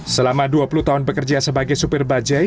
selama dua puluh tahun bekerja sebagai sepir bajaj